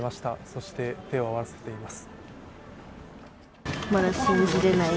そして、手を合わせています。